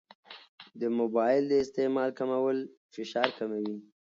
د موبایل د استعمال کمول فشار کموي.